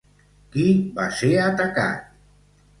Qui va ser atacat?